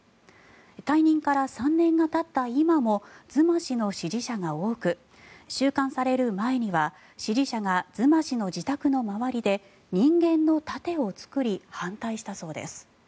退任から３年がたった今もズマ氏の支持者が多く収監される前には支持者がズマ氏の自宅の周りで人間の盾を作り反対したそうです。